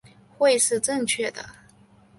会是正确的